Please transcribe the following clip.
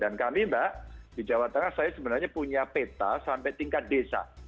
dan kami mbak di jawa tengah saya sebenarnya punya peta sampai tingkat desa